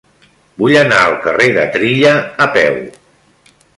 Vull anar al carrer de Trilla a peu.